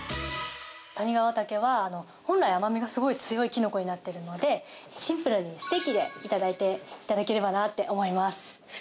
谷川茸は本来、甘味がすごい強いキノコになっているのでシンプルにステーキでいただければなと思います。